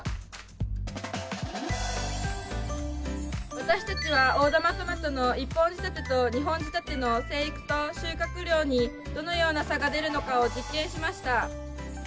私たちは大玉トマトの１本仕立てと２本仕立ての生育と収穫量にどのような差が出るのかを実験しました。